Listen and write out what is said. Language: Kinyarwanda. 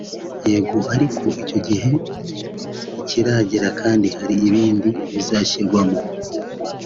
Yego ariko icyo gihe ntikiragera kandi hari ibindi bizashingirwaho